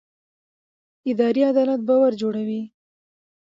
اداري عدالت باور جوړوي